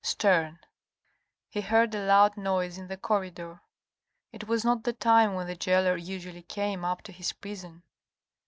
— Sterne. He heard a loud noise in the corridor. It was not the time when the gaoler usually came up to his prison.